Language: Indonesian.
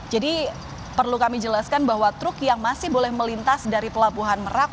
jadi perlu kami jelaskan bahwa truk yang masih boleh melintas dari pelabuhan merak